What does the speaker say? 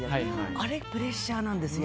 あれ、プレッシャーなんですよ。